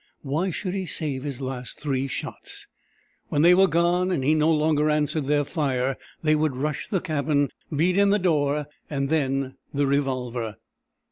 Why should he save his last three shots? When they were gone and he no longer answered their fire they would rush the cabin, beat in the door, and then the revolver!